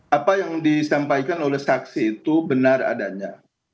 apa yang disampaikan oleh saksi itu benar adanya